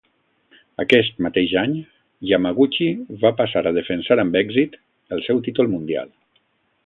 Aquest mateix any, Yamaguchi va passar a defensar amb èxit el seu títol mundial.